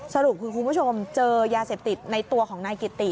สรุปคือคุณผู้ชมเจอยาเสพติดในตัวของนายกิติ